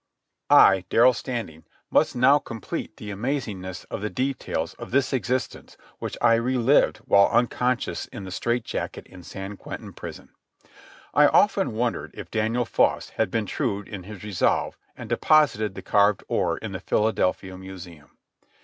I, Darrell Standing, must now complete the amazingness of the details of this existence which I relived while unconscious in the strait jacket in San Quentin prison. I often wondered if Daniel Foss had been true in his resolve and deposited the carved oar in the Philadelphia Museum.